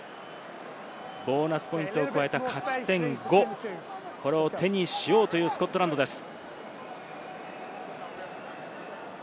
ボーナスポイントを加えた勝ち点５、これを手にしようというスコットランドです。